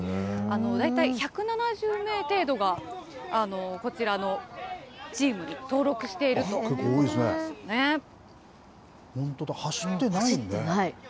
大体１７０名程度がこちらのチームに登録しているということなん本当だ、走ってない。